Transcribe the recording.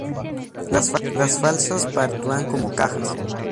Las falsas paredes actúan como cajas.